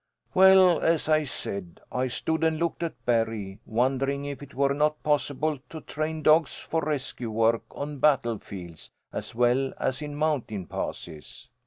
"Well, as I said, I stood and looked at Barry, wondering if it were not possible to train dogs for rescue work on battle fields as well as in mountain passes.